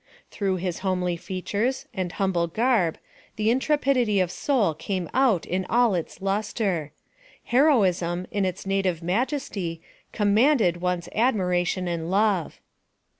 Through his homely features, and humble garb, the intrepidity of soul came out in all its lustre! Heroism, in its native majesty, commanded one's admiration and love!